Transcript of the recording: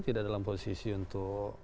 tidak dalam posisi untuk